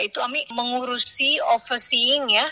itu ami mengurusi overseeing ya